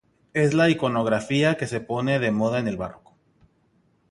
Es la iconografía que se pone de moda en el Barroco.